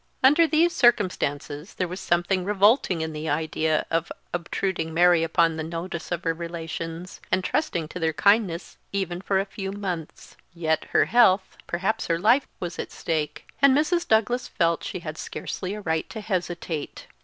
Under these circumstances there was something revolting in the idea of obtruding Mary upon the notice of her relations, and trusting to their kindness even for a few months; yet her health, perhaps her life, was at stake, and Mrs. Douglas felt she had scarcely a right to hesitate.